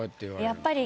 やっぱり。